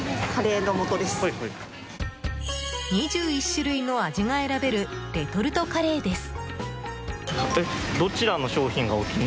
２１種類の味が選べるレトルトカレーです。